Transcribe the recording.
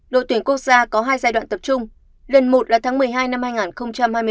đội tuyển quốc gia có hai giai đoạn tập trung lần một là tháng một mươi hai năm hai nghìn hai mươi bốn